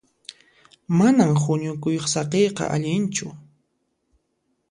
Manan huñukuy saqiyqa allinchu.